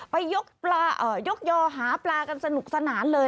ยกยอหาปลากันสนุกสนานเลย